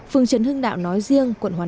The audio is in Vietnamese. phường trần hưng đạo nói riêng quận hoàn kiếm